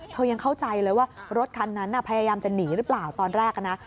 ยังเข้าใจเลยว่ารถคันนั้นพยายามจะหนีหรือเปล่าตอนแรกนะ